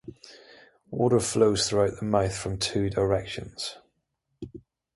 Water flows throughout the mouth from two directions.